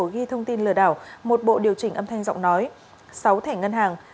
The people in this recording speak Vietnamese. ghi thông tin lừa đảo một bộ điều chỉnh âm thanh giọng nói sáu thẻ ngân hàng